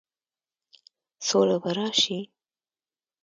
سوله به راشي؟